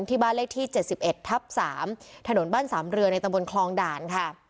ที่บ้านเลขที่๗๑ทับ๓ถนนบ้านสามเรือในตำบลคลองด่านค่ะ